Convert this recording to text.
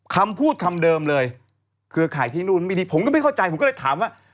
คำพูดคำเดิมเลยเครือข่ายที่นู่นไม่ดีผมก็ไม่เข้าใจผมก็เลยถามว่า